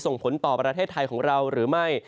ส่งผลต่อประเทศไทยของเราหรือไม่